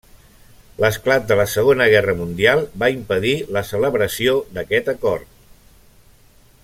L'esclat de la Segona Guerra Mundial va impedir la celebració d'aquest acord.